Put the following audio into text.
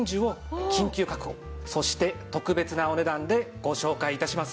そして特別なお値段でご紹介致します。